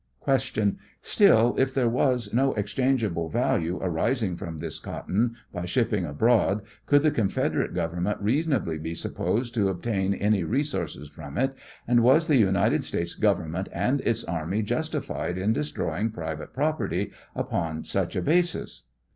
Q. Still, if there was no exchangeable value arising from this cotton by shipping abroad, could the Confed; erate Government reasonably be supposed to obtain any 64 resources from it, and was the United States Govern ment and its army justified in destroying private pro perty upon such a basis